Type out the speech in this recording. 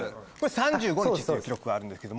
３５日っていう記録があるんですけども。